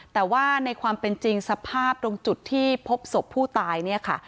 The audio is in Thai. แต่ว่าในความเป็นจริงสภาพตรงจุดที่พบศพผู้ตายเนี่ยค่ะ